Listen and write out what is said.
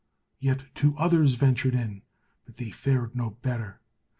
Yet two others ventured in, but they fared no better.